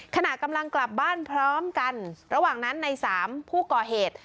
ขณะกำลังกลับบ้านพร้อมกันระหว่างนั้นในสามผู้ก่อเหตุ